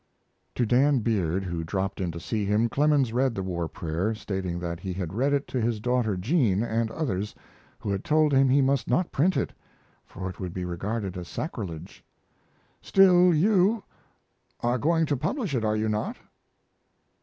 To Dan Beard, who dropped in to see him, Clemens read the "War Prayer," stating that he had read it to his daughter Jean, and others, who had told him he must not print it, for it would be regarded as sacrilege. "Still you are going to publish it, are you not?"